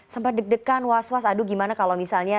sempat deg degan was was aduh gimana kalau misalnya